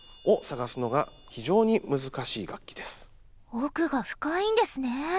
奥が深いんですね。